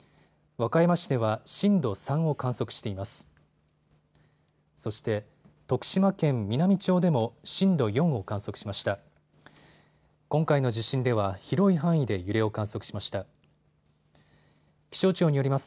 和歌山市では震度３を観測しています。